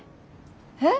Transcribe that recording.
えっ。